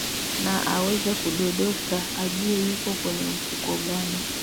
na aweze kudodosa ajue yuko kwenye mfuko gani